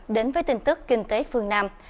đến với tin tức kinh tế phương nam